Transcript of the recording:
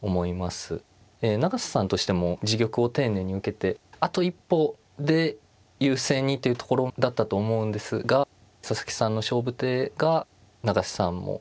ええ永瀬さんとしても自玉を丁寧に受けてあと一歩で優勢にっていうところだったと思うんですが佐々木さんの勝負手が永瀬さんを苦しめたのかなという。